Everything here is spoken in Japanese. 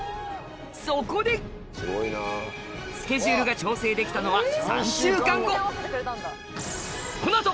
そこでスケジュールが調整できたのはこの後